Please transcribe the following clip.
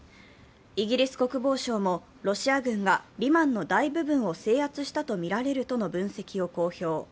イギリス国防省もロシア軍がリマンの大部分を制圧したとみられるとの分析を公表。